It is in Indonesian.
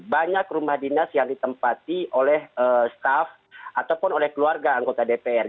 banyak rumah dinas yang ditempati oleh staff ataupun oleh keluarga anggota dpr